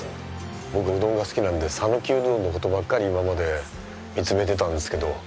僕うどんが好きなんで讃岐うどんのことばっかり今まで見つめてたんですけど